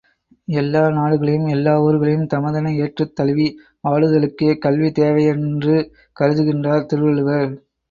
எல்லா நாடுகளையும், எல்லா ஊர்களையும் தமதென ஏற்றுத் தழுவி வாழுதலுக்கே கல்வி தேவையென்று கருதுகின்றார் திருவள்ளுவர்.